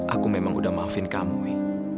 aku memang udah maafin kamu wi